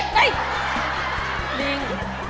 ลิง